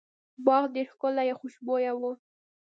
باغ ډیر ښکلی او خوشبويه و.